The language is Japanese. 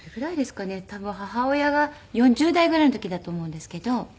多分母親が４０代ぐらいの時だと思うんですけど。